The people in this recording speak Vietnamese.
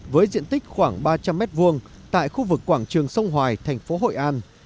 với diện tích khoảng ba trăm linh m hai tại khu vực quảng trường sông hoài thành phố hội an